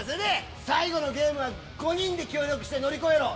最後のゲームは５人で協力して乗り越えろ！